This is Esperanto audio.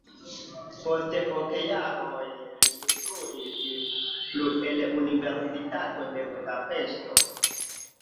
Post ok jaroj li instruis plu en Universitato de Budapeŝto.